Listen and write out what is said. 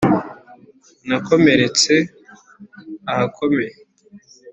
Nakomeretse ahakomeye